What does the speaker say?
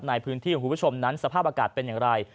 ในพื้นที่ของคุณผู้ชมนั้นสภาพอากาศเป็นอย่างไร